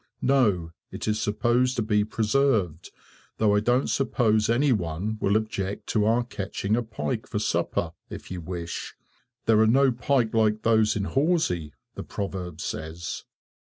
"No, it is supposed to be preserved, though I don't suppose anyone will object to our catching a pike for supper, if you wish. There are no pike like those in Horsey, the proverb says."